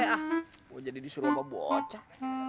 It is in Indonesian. ah mau jadi di surabaya bocah